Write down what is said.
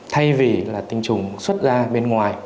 thay vì tinh trùng xuất ra bên ngoài